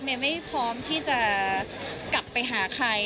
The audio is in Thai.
ไม่พร้อมที่จะกลับไปหาใคร